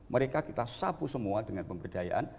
mereka kita sapu semua dengan pemberdayaan